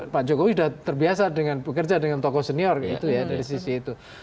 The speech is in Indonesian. pak jokowi sudah terbiasa dengan bekerja dengan tokoh senior gitu ya dari sisi itu